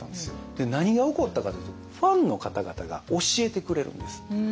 で何が起こったかというとファンの方々が教えてくれるんです。